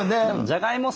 じゃがいも